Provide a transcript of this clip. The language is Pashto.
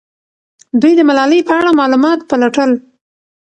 دوی د ملالۍ په اړه معلومات پلټل.